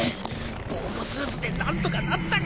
防護スーツで何とかなったが。